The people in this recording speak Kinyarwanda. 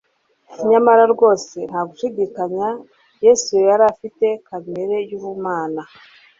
Nyamara rwose nta gushidikanya, Yesu yari afite kamere y'ubumana.